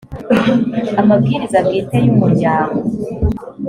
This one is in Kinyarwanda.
amabwiriza bwite y’umuryango